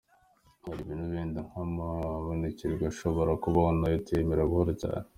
Hari ibintu wenda nk’amabonekerwa ashobora kubaho nayo tuyemera buhoro cyane.